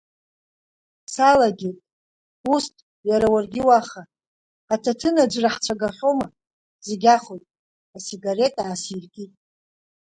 Салагеит, усҭ иара уаргьы уаха, аҭаҭын аӡәры ҳцәагахьоума, зегь ахоит, асигарет аасиркит.